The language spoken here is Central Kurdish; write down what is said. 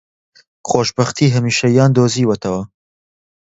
خۆشبەختیی هەمیشەییان دۆزیوەتەوە